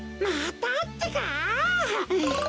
またってか？